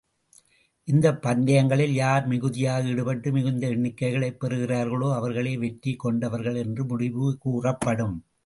இந்தப் பந்தயங்களில் யார் மிகுதியாக ஈடுபட்டு மிகுந்த எண்ணிக்கைகளைப் பெறுகிறார்களோ, அவர்களே வெற்றிக் கொண்டவர்கள் என்று முடிவு கூறப்படும்.